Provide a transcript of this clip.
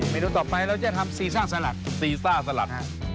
นูต่อไปเราจะทำซีซ่าสลัดซีซ่าสลัดฮะ